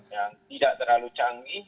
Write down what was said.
yang tidak terlalu canggih